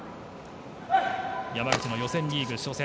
山口の予選リーグ初戦。